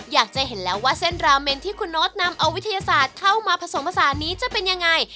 อยากจะเห็นแล้วว่าเส้นราเมนที่คุณโน๊ตนำเอาวิทยาศาสตร์เข้ามาผสมผสานนี้จะเป็นยังไง